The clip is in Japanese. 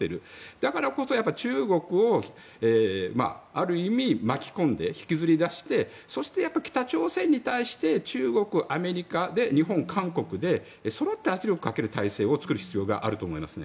だからこそ中国をある意味、巻き込んで引きずり出してそして、北朝鮮に対して中国、アメリカで日本、韓国でそろって圧力をかける体制を作る必要があると思いますね。